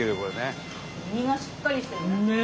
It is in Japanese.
身がしっかりしてるね。